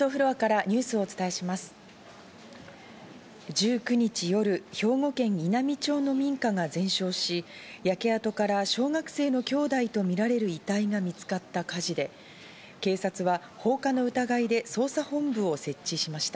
１９日夜、兵庫県稲美町の民家が全焼し、焼け跡から小学生の兄弟とみられる遺体が見つかった火事で、警察は放火の疑いで捜査本部を設置しました。